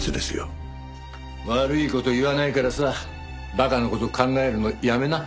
悪い事言わないからさ馬鹿な事を考えるのやめな。